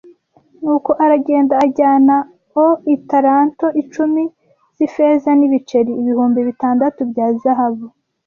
Nuko aragenda ajyana o italanto icumi z ifeza n ibiceri ibihumbi bitandatu bya zahabu